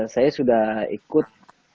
saya sudah ikut